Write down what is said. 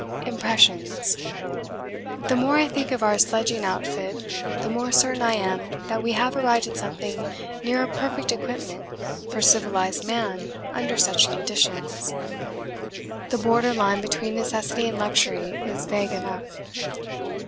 Impressions The more I think of our sledging outfit the more certain I am that we have arrived at something near a perfect equipment for civilised man under such conditions. The border line between necessity and luxury is vague enough.